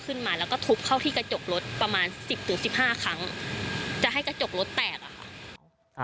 ขึ้นมาแล้วก็ทุบเข้าที่กระจกรถประมาณสิบถึงสิบห้าครั้งจะให้กระจกรถแตกอะค่ะ